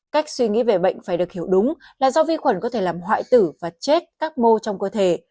cách suy nghĩ về bệnh phải được hiểu đúng là do vi khuẩn có thể làm hoại tử và chết các mô trong cơ thể